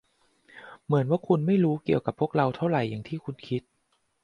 เหมือนว่าคุณไม่รู้เกี่ยวกับพวกเราเท่าไหร่อย่างที่คุณคิด